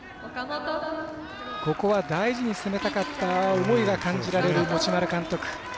ここは大事に攻めたかった思いが感じられる持丸監督。